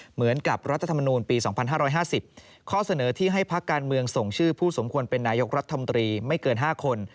เหมือนกับรัฐธรรมนูลปี๒๕๕๐ข้อเสนอที่ให้พักการเมืองส่งชื่อผู้สมควรเป็นนายกรัฐมนตรีไม่เกิน๕คน